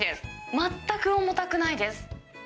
全く重たくないです。